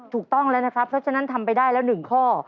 ถูกต้องแล้วนะครับเพราะฉะนั้นทำไปได้แล้ว๑ข้อ